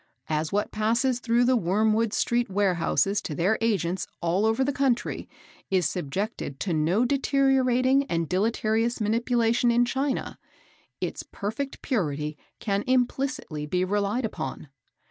As what passes through the Wormwood street Warehouses to their Agents all over the country is subjected to no deteriorating and deleterious manipulation in China, its perfect purity can implicitly be relied upon.